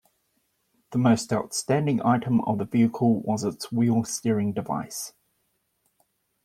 The most outstanding item of the vehicle was its wheel-steering device.